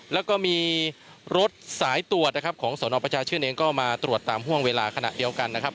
แล้วก็มีรถสายตรวจนะครับของสนประชาชื่นเองก็มาตรวจตามห่วงเวลาขณะเดียวกันนะครับ